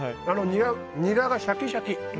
ニラがシャキシャキ！